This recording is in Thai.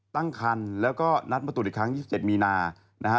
ตั้งคันแล้วก็นัดมาตรวจอีกครั้ง๒๗มีนานะฮะ